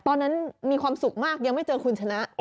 ตอนนั้นมีความสุขมากยังไม่เจอคุณชนะ